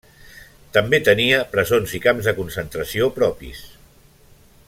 També tenia presons i camps de concentració propis.